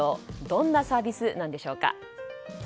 どんなサービスなんでしょうか？